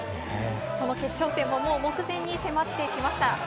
その決勝戦も目前に迫ってきました。